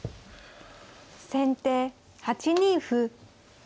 先手８二歩。